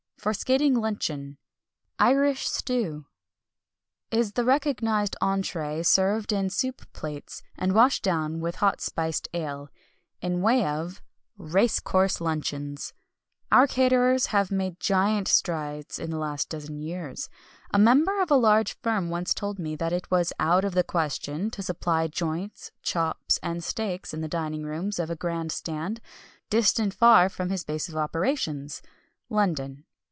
For a skating luncheon Irish Stew is the recognised entrée, served in soup plates, and washed down with hot spiced ale. In the way of Race course Luncheons our caterers have made giant strides in the last dozen years. A member of a large firm once told me that it was "out of the question" to supply joints, chops, and steaks in the dining rooms of a grand stand, distant far from his base of operations, London.